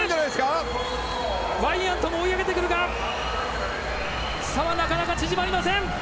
ワイヤントも追い上げてくるが差はなかなか縮まりません。